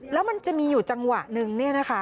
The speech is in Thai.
แล้วมันจะมีอยู่จังหวะหนึ่ง